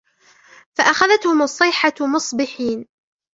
فَأَخَذَتْهُمُ الصَّيْحَةُ مُصْبِحِينَ